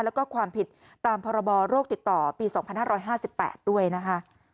แล้วก็ความผิดตามพรบโรคติดต่อปี๒๕๕๘ด้วยนะคะ